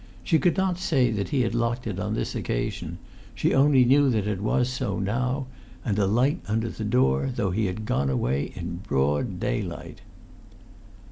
She could not say that he had left it locked on this occasion; she only knew it was so now, and a light under the door, though he had gone away in broad daylight.